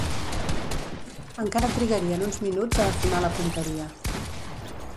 Encara trigarien uns minuts a afinar la punteria.